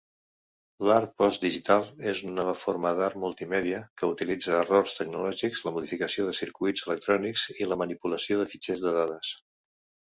L'art postdigital és una nova forma d'art multimèdia que utilitza errors tecnològics, la modificació de circuits electrònics i la manipulació de fitxers de dades.